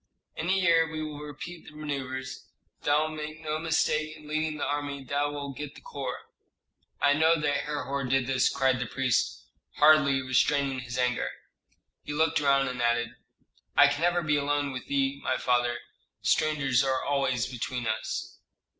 "In a year we will repeat the manœuvres, and if thou make no mistake in leading the army thou wilt get the corps." "I know that Herhor did this!" cried the prince, hardly restraining his anger. He looked around, and added, "I can never be alone with thee, my father; strangers are always between us."